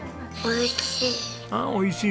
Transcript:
おいしい。